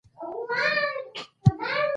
افغانستان یو اشغال شوی هیواد نه وو.